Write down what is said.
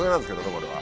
これは。